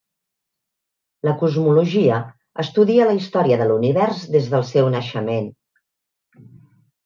La cosmologia estudia la història de l'univers des del seu naixement.